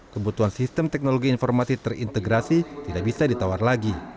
kebutuhan sistem teknologi informasi terintegrasi tidak bisa ditawar lagi